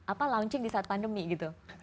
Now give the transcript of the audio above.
apa launching di saat pandemi gitu